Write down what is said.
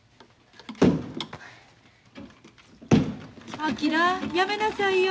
昭やめなさいよ。